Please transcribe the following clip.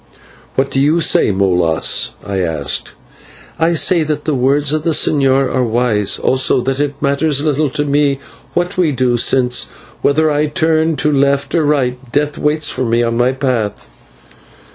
"What do you say, Molas?" I asked. "I say that the words of the señor are wise, also that it matters little to me what we do, since whether I turn to left or right death waits me on my path."